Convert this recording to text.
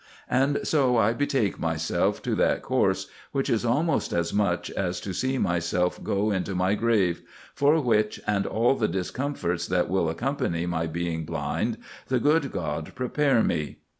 And so I betake myself to that course, which is almost as much as to see myself go into my grave; for which, and all the discomforts that will accompany my being blind, the good God prepare me."